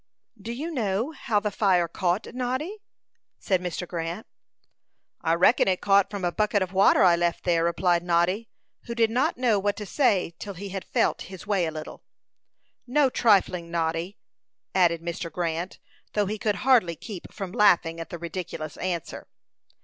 "Do you know how the fire caught, Noddy?" said Mr. Grant. "I reckon it caught from a bucket of water I left there," replied Noddy, who did not know what to say till he had felt his way a little. "No trifling, Noddy!" added Mr. Grant, though he could hardly keep from laughing at the ridiculous answer.